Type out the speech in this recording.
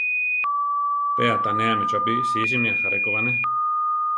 Pe aʼtanéame chopí sísimi ajaré ko ba, né.